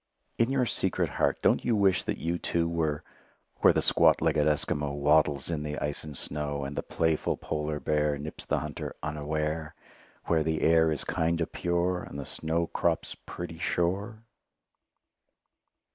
In your secret heart don't you wish that you too were "Where the squat legged Eskimo Waddles in the ice and snow, And the playful polar bear Nips the hunter unaware; Where the air is kind o' pure, And the snow crop's pretty sure"?